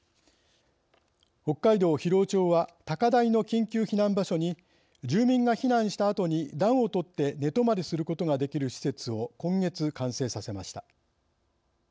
北海道広尾町は高台の緊急避難場所に住民が避難したあとに暖をとって寝泊まりすることができる施設を今月、完成させました。